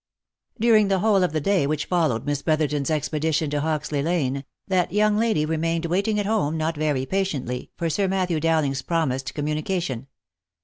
During the whole of the day which followed Miss Brotherton's expedition to Hoxley lane, that young lady remained waiting at home, not very patiently, for Sir Matthew Dowling's promised communica tion.